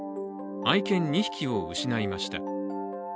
愛犬２匹を失いました。